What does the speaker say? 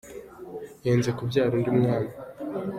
yenze kubyara undi mwana